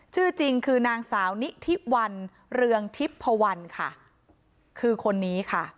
ชื่อจริงคือนางสาวนิทิวันเรืองทิพพวันค่ะคือคนนี้ค่ะ